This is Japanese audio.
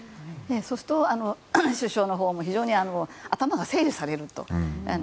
そうすると、首相のほうも非常に頭が整理されると。